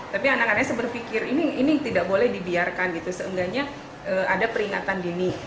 tapi anak anaknya berpikir ini tidak boleh dibiarkan gitu seenggaknya ada peringatan dini